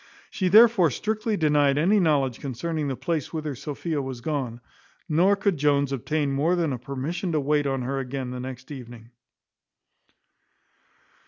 She therefore strictly denied any knowledge concerning the place whither Sophia was gone; nor could Jones obtain more than a permission to wait on her again the next evening.